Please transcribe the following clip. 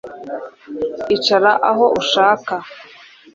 icara aho ushaka